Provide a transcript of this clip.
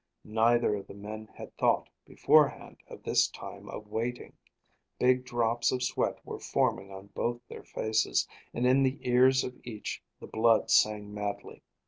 Neither of the men had thought, beforehand, of this time of waiting. Big drops of sweat were forming on both their faces, and in the ears of each the blood sang madly.